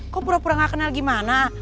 kok pura pura gak kenal gimana